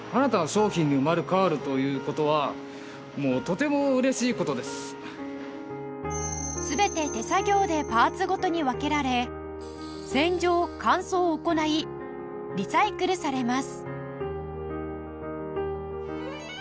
平野さんの全て手作業でパーツごとに分けられ洗浄・乾燥を行いリサイクルされます